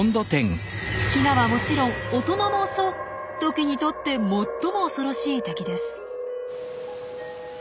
ヒナはもちろん大人も襲うトキにとって最も恐ろしい敵です。